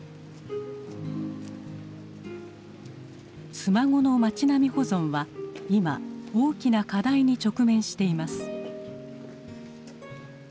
妻籠の町並み保存は今大きな課題に直面しています。